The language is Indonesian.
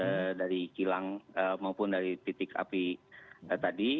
eee dari kilang eee maupun dari titik api tadi